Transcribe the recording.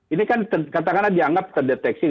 ini kan katakanlah dianggap terdeteksi